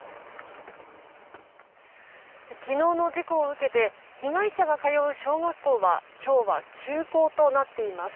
昨日の事故を受けて被害者が通う小学校は今日は休校となっています。